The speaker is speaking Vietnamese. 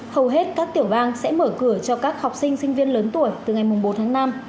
hầu hết các tiểu bang sẽ mở cửa cho các học sinh sinh viên lớn tuổi từ ngày bốn tháng năm